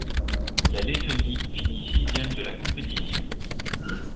La Lettonie finit sixième de la compétition.